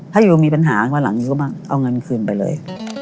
ถ้ายูมีปัญหาวันหลังยูก็มาเอาเงินคืนไปเลย